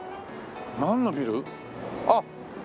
なんのビル？あっ！